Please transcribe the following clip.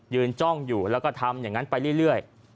จ้องอยู่แล้วก็ทำอย่างนั้นไปเรื่อย